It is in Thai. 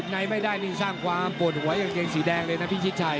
ในไม่ได้นี่สร้างความปวดหัวกางเกงสีแดงเลยนะพิชิดชัย